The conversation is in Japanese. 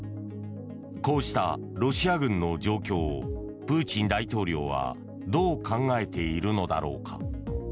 こうしたロシア軍の状況をプーチン大統領はどう考えているのだろうか。